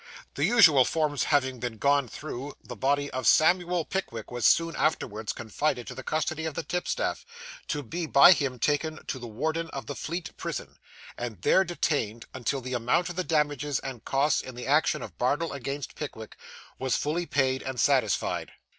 The usual forms having been gone through, the body of Samuel Pickwick was soon afterwards confided to the custody of the tipstaff, to be by him taken to the warden of the Fleet Prison, and there detained until the amount of the damages and costs in the action of Bardell against Pickwick was fully paid and satisfied.